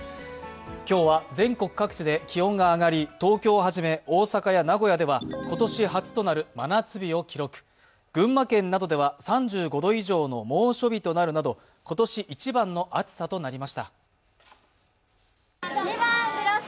今日は全国各地で気温が上がり東京をはじめ、大阪や名古屋では今年初となる真夏日を記録、群馬県などでは３５度以上の猛暑日となるなど今年１番の暑さとなりました。